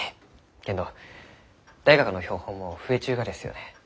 けんど大学の標本も増えちゅうがですよね？